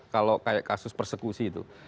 kalau kayak kasus persekusi itu